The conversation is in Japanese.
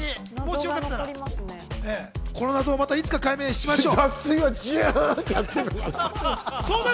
この謎をまたいつか解明しましょう。